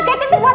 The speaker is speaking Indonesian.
terima kasih sa